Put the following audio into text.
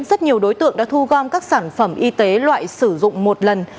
rất nhiều đối tượng đã thu gom các sản phẩm y tế loại sử dụng một lần